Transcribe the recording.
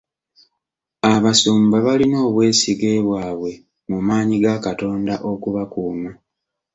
Abasumba balina obwesige bwabwe mu maanyi ga Katonda okubakuuma.